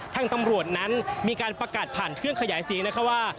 ทางตำรวจนั้นประกาศผ่านเครื่องขยายเสียงว่า